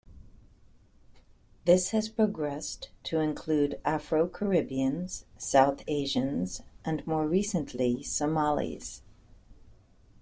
This has progressed to include Afro-Caribbeans, South Asians, and more recently Somalis.